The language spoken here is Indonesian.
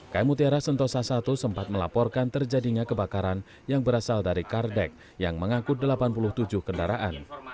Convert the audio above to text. km mutiara sentosa i sempat melaporkan terjadinya kebakaran yang berasal dari kardek yang mengangkut delapan puluh tujuh kendaraan